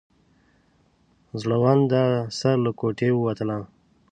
زوړنده سر له کوټې ووتلم.